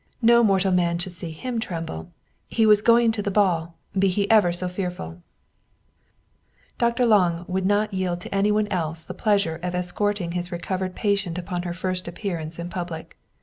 No mortal man should see him tremble ! He was going to the ball, be he ever so fearful ! Dr. Lange would not yield to anyone else the pleasure of escorting his recovered patient upon her first appearance in public.